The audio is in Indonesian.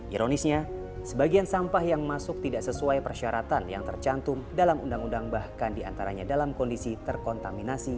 ironisnya sebagian sampah yang masuk tidak sesuai persyaratan yang tercantum dalam undang undang bahkan diantaranya dalam kondisi terkontaminasi